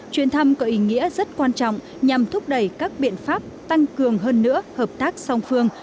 chuyến thăm có ý nghĩa rất quan trọng nhằm thúc đẩy các biện pháp tăng cường hơn nữa hợp tác song phương